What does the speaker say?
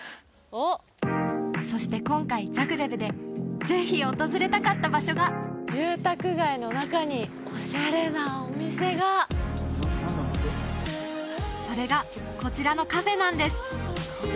そして今回ザグレブでぜひ訪れたかった場所が住宅街の中にオシャレなお店がそれがこちらのカフェなんです